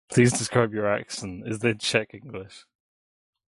Millar later remarried.